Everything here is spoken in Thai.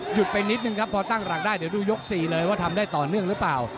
ไปนิดนึงครับพอตั้งหลักได้เดี๋ยวดูยก๔เลยว่าทำได้ต่อเนื่องหรือเปล่า